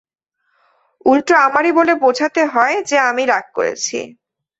উল্টো আমারই বলে বুঝাতে হয়, যে আমি রাগ করেছি।